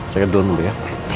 saya kedulung dulu ya